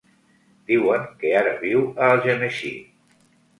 Diuen que ara viu a Algemesí.